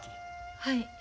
はい。